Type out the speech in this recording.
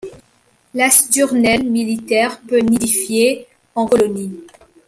La Sturnelle militaire peut nidifier en colonie.